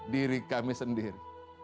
diri kami sendiri